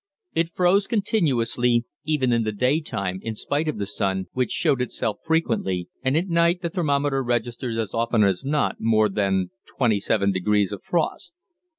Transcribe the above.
It froze continuously, even in the day time, in spite of the sun, which showed itself frequently, and at night the thermometer registered as often as not more than 27° of frost.